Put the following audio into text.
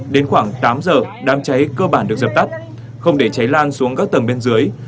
đến khoảng tám giờ đám cháy cơ bản được dập tắt không để cháy lan xuống các tầng bên dưới